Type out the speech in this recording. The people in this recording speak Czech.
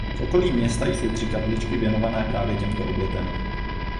V okolí města jsou tři kapličky věnované právě těmto obětem.